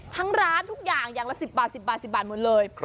ทั้งร้านทุกอย่างอย่างละ๑๐บาทหมดเลย